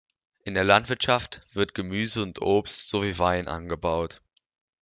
In der Landwirtschaft wird Gemüse und Obst sowie Wein angebaut.